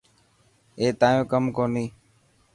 اي تايون ڪم ڪوني هي.